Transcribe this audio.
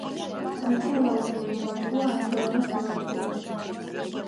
ნთელავამ მე მომატყუა ანთელავას მე ვატყუებ